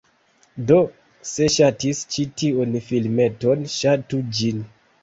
Do, se ŝatis ĉi tiun filmeton, ŝatu ĝin!